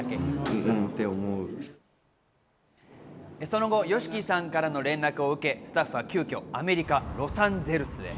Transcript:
その後ＹＯＳＨＩＫＩさんからの連絡を受けスタッフは急きょアメリカ・ロサンゼルスへ。